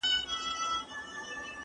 د قومي تخلص څخه ډډه وکئ.